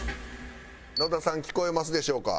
野田さん聞こえますでしょうか？